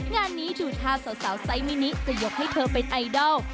งานนี้ดูท่าสาวไซส์มินิจะยกให้เธอเป็นไอดอล